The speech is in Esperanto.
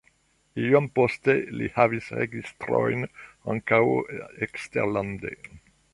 Iom poste li havis registrojn ankaŭ eksterlande.